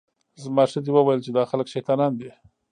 زما ښځې وویل چې دا خلک شیطانان دي.